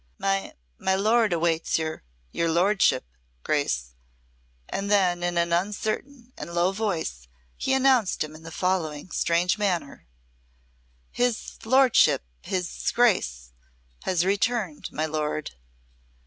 "My my lord awaits your your lordship Grace," and then in an uncertain and low voice he announced him in the following strange manner: "His lordship his Grace has returned, my lord," he said.